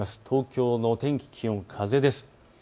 東京の天気、気温、風です。